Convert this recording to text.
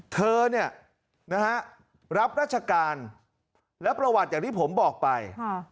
เธอเนี่ยนะฮะรับราชการและประวัติอย่างที่ผมบอกไป